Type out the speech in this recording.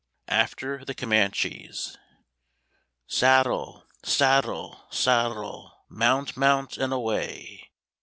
AFTER THE COMANCHES Saddle! saddle! saddle! Mount, mount, and away!